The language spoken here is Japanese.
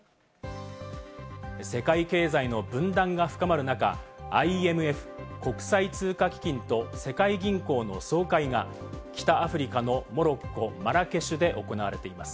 世界経済の分断が深まる中、ＩＭＦ＝国際通貨基金と世界銀行の総会が北アフリカのモロッコ・マラケシュで行われています。